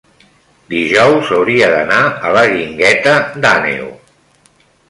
dijous hauria d'anar a la Guingueta d'Àneu.